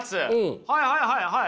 はいはいはいはい。